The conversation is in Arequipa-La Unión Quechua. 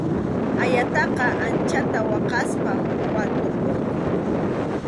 Ayataqa anchata waqaspam wantupunku.